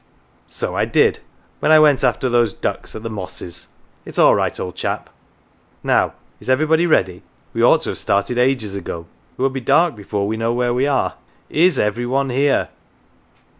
1 "" So I did when I went after those ducks at the Mosses. It's all right, old chap." " Now, is everybody ready ? We ought to have started ages ago. It will be dark before we know where we are. Is every one here